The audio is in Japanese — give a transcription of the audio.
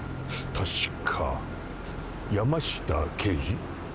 確か山下刑事？